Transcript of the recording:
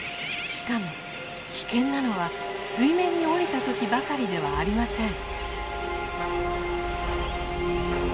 しかも危険なのは水面に降りた時ばかりではありません。